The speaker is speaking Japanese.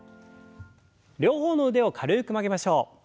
両方の腕を軽く曲げましょう。